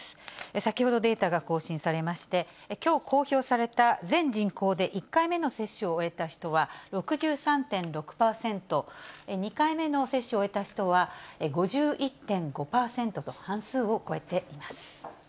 先ほどデータが更新されまして、きょう公表された全人口で１回目の接種を終えた人は６３．６％、２回目の接種を終えた人は５１．５％と、半数を超えています。